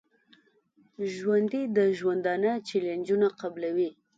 ژوندي د ژوندانه چیلنجونه قبلوي